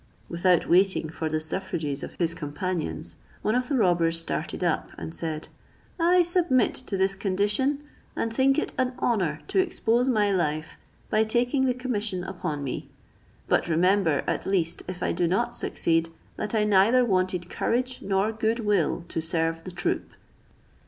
Without waiting for the suffrages of his companions, one of the robbers started up, and said, "I submit to this condition, and think it an honour to expose my life, by taking the commission upon me; but remember, at least, if I do not succeed, that I neither wanted courage nor good will to serve the troop."